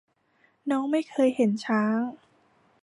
น้องไม่เคยเห็นช้าง